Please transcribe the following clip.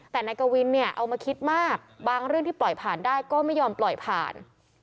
แต่นายกวินเนี่ยเอามาคิดมากบางเรื่องที่ปล่อยผ่านได้ก็ไม่ยอมปล่อยผ่าน